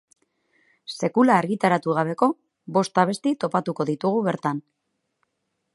Sekula argitaratu gabeko bost abesti topatuko ditugu bertan.